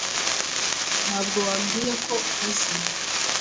Ntabwo wambwiye ko uzi